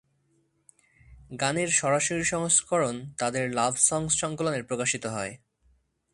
গানের সরাসরি সংস্করণ তাদের "লাভ সংস" সংকলনে প্রকাশিত হয়।